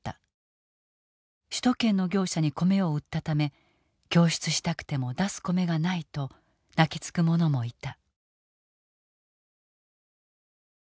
首都圏の業者に米を売ったため供出したくても出す米がないと泣きつく者もいた。